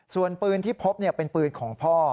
ส่วนปืนที่พบเป็นปืนของพ่อ